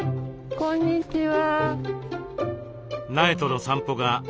こんにちは。